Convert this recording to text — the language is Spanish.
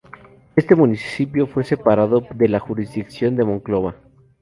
Este municipio fue separado de la jurisdicción de Monclova.